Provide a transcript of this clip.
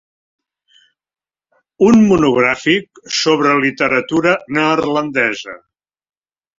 Un monogràfic sobre literatura neerlandesa.